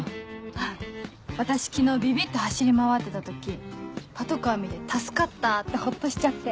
あっ私昨日ビビって走り回ってた時パトカー見て「助かった！」ってホッとしちゃって。